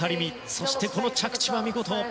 そして、着地は見事。